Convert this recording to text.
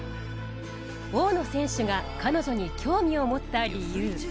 大野選手が彼女に興味を持った理由